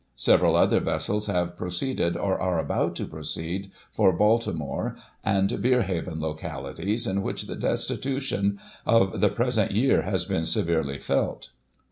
Several other vessels have proceeded, or are about to proceed, for Baltimore and Berehaven, localities in which the destitution of the present year has been severely felt.